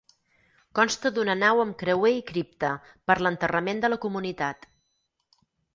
Consta d'una nau amb creuer i cripta per l'enterrament de la comunitat.